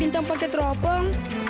bintang pakai teropong